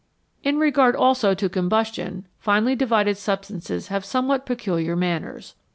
In regard also to combustion finely divided substances have somewhat peculiar manners.